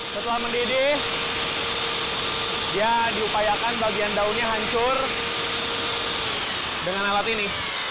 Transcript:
setelah mendidih dia diupayakan bagian daunnya hancur dengan alat ini